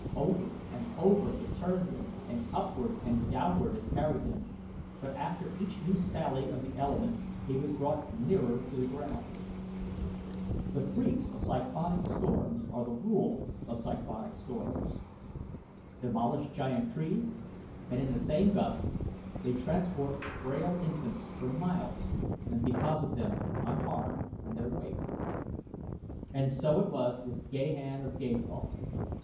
Over and over it turned him and upward and downward it carried him, but after each new sally of the element he was brought nearer to the ground. The freaks of cyclonic storms are the rule of cyclonic storms, since such storms are in themselves freaks. They uproot and demolish giant trees, and in the same gust they transport frail infants for miles and deposit them unharmed in their wake. And so it was with Gahan of Gathol.